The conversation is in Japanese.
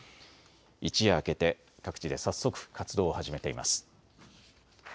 一夜明けて各地で早速、活動を始めています。